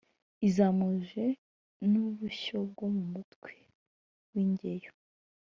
izamuje: ni ubushyo bwo mu mutwe w’ingeyo(ibihogo)